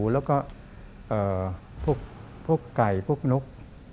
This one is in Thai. แล้วก็พวกไก่พวกนก